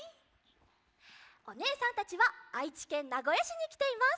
おねえさんたちはあいちけんなごやしにきています。